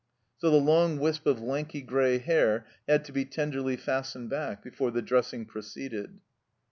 So the long wisp of lanky grey hair had to be tenderly fastened back before the dressing proceeded.